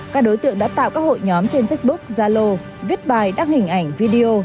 các đối tượng đã tạo các hội nhóm trên facebook zalo viết bài đăng hình ảnh video